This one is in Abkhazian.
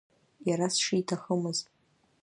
Иара сшиҭахымыз.